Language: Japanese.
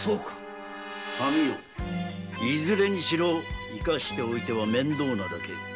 神尾いずれにしろ生かしておいては面倒なだけ。